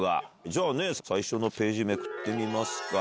じゃあ最初のページめくってみますか。